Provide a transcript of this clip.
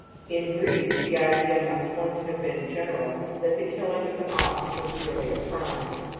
In Greece the idea must once have been general that the killing of an ox was really a crime.